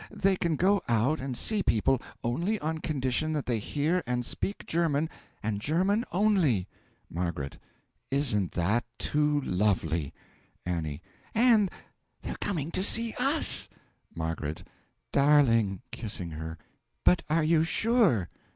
They can go out, and see people, only on condition that they hear and speak German, and German only. M. Isn't that too lovely! A. And they're coming to see us! M. Darling! (Kissing her.) But are you sure?